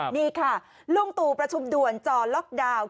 นี่ค่ะลุงตู่ประชุมด่วนจอล็อกดาวน์